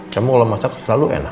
kamu kalau masak selalu enak